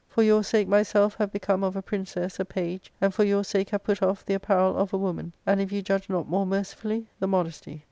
For your sake myself have become of a princess a page, and for your sake have put off the apparel of a woman, and, if you judge not more mercifully, the modesty.'